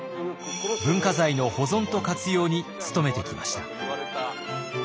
文化財の保存と活用に努めてきました。